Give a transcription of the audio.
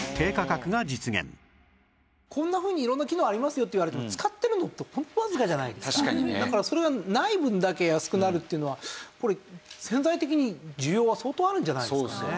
こんなふうに色んな機能ありますよって言われてもだからそれがない分だけ安くなるっていうのはこれ潜在的に需要は相当あるんじゃないですかね。